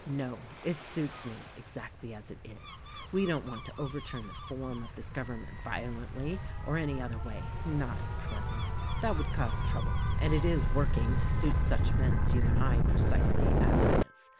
No; it suits me exactly as it is. We don't want to over turn the form of this government violently or any other way — not at present; that would cause trouble, and it is working to suit such men as you and I precisely, as it is.